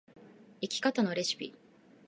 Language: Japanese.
生き方のレシピ